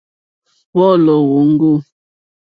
Wɔ̌lɔ̀ wóŋɡô.